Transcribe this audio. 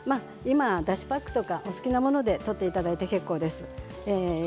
だしパックとかお好きなもので取っていただいて大丈夫です。